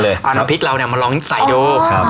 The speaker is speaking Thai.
แล้วก็เอาน้ำพริกเราเนี้ยมาลองใส่ดู